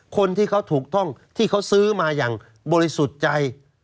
คนที่เขาถูกต้องที่เขาซื้อมาอย่างบริสุทธิ์ใจ